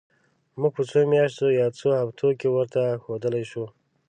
موږ په څو میاشتو یا څو هفتو کې ورته ښودلای شو.